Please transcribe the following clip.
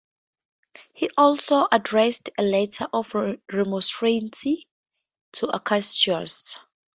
He also addressed a letter of remonstrance to Acacius.